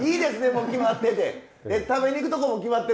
もう決まってて。